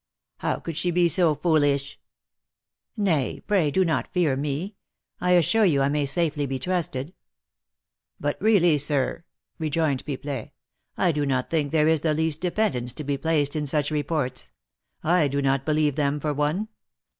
"How could she be so foolish?" "Nay, pray do not fear me! I assure you I may safely be trusted." "But, really, sir," rejoined Pipelet, "I do not think there is the least dependence to be placed in such reports. I do not believe them, for one.